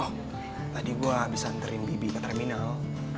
oh tadi gue habis anterin bebep ke terminal